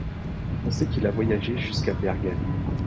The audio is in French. On sait qu'il a voyagé jusqu'à Bergen.